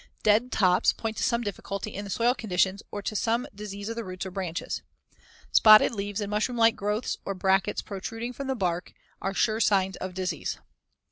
Dead tops point to some difficulty in the soil conditions or to some disease of the roots or branches. Spotted leaves and mushroom like growths or brackets protruding from the bark as in Fig. 108, are sure signs of disease.